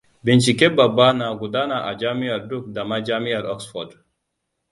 bincike babba na guddana a jami’ar duke da ma jami’ar oxford.